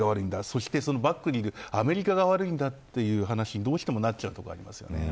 そしてそのバックにいるアメリカが悪いんだ、という話にどうしてもなっちゃうところがあります。